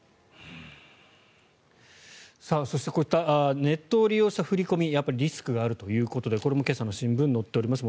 そして、こういったネットを利用した振り込みはやっぱりリスクがあるということでこれも今朝の新聞に載っております。